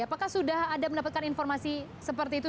apakah sudah ada mendapatkan informasi seperti itu